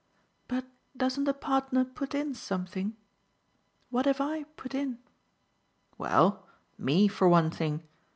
But doesn't a partner put in something? What have I put in?" "Well ME, for one thing.